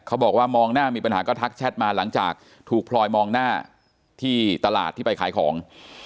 มองหน้ามีปัญหาก็ทักแชทมาหลังจากถูกพลอยมองหน้าที่ตลาดที่ไปขายของ